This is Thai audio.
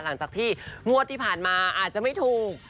หลังจากที่งวดที่ผ่านมาอาจจะไม่ถูก